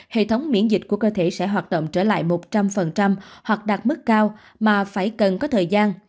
hệ thống miễn dịch của cơ thể sẽ hoạt động trở lại một trăm linh hoặc đạt mức cao mà phải cần có thời gian